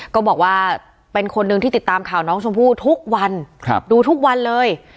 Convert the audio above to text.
ก็บอกว่าเป็นคนหนึ่งที่ติดตามข่าวน้องชมพู่ทุกวันดูทุกวันเลย